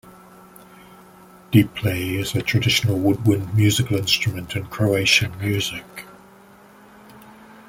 Diple is a traditional woodwind musical instrument in Croatian music.